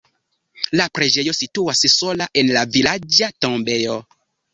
La preĝejo situas sola en la vilaĝa tombejo.